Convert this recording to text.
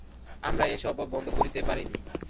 আমরা এসব বন্ধ করতে পারি।